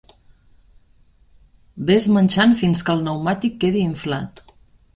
Ves manxant fins que el pneumàtic quedi inflat.